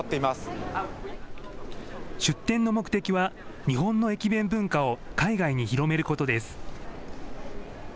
出店の目的は日本の駅弁文化を海外に広めることです。